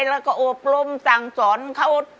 แล้วก็อบรมสั่งสอนเขา